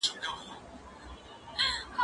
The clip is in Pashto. زه پرون مينه څرګنده کړه،